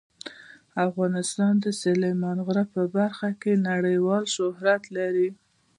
افغانستان د سلیمان غر په برخه کې نړیوال شهرت لري.